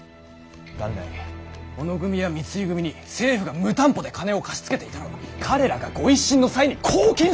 元来小野組や三井組に政府が無担保で金を貸し付けていたのは彼らが御一新の際に貢献したからだ。